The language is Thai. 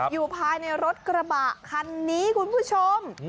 อยู่ภายในรถกระบะคันนี้คุณผู้ชม